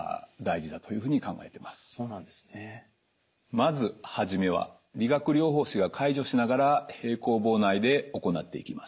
まず初めは理学療法士が介助しながら平行棒内で行っていきます。